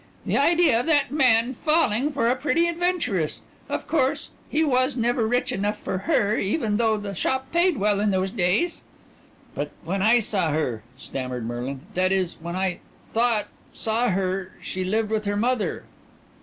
The idea of that man falling for a pretty adventuress! Of course he was never rich enough for her even though the shop paid well in those days." "But when I saw her," stammered Merlin, "that is, when I thought saw her, she lived with her mother."